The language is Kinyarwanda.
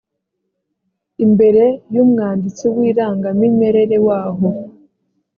imbere y umwanditsi w irangamimerere w aho